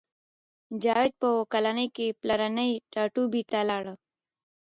جاوید په اوه کلنۍ کې پلرني ټاټوبي ته لاړ